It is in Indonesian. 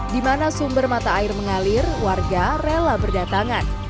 di mana sumber mata air mengalir warga rela berdatangan